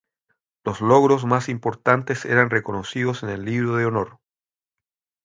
Los logros más importantes eran reconocidos en el "libro de honor".